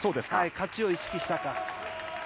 勝ちを意識したか。